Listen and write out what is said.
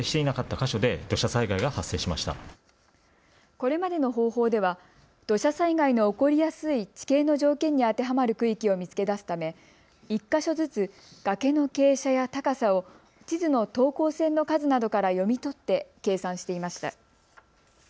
これまでの方法では土砂災害の起こりやすい地形の条件に当てはまる区域を見つけ出すため１か所ずつ崖の傾斜や高さを地図の等高線の数などから読み取って計算していました。